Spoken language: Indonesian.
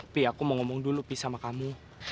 pi aku mau ngomong dulu pie sama kamu